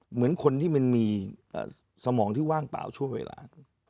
เหมือนคนที่มันมีสมองที่ว่างเปล่าช่วงเวลา